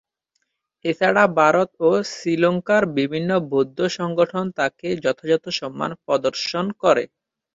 এছাড়া ভারত ও শ্রীলঙ্কার বিভিন্ন বৌদ্ধ সংগঠন তাকে যথাযথ সম্মান প্রদর্শন করে।